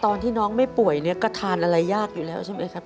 ตอนที่น้องไม่ป่วยเนี่ยก็ทานอะไรยากอยู่แล้วใช่ไหมครับ